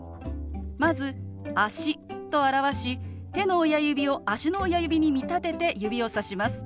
まず「足」と表し手の親指を足の親指に見立てて指をさします。